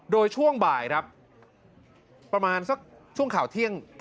โดยช่วงบ่ายครับประมาณสักช่วงข่าวเที่ยง